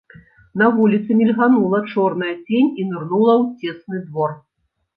На вуліцы мільганула чорная цень і нырнула ў цесны двор.